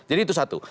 jadi itu satu